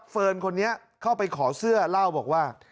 คนนี้เข้าไปขอเสื้อเล่าบอกว่า